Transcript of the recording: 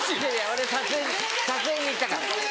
俺撮影に撮影に行ったから！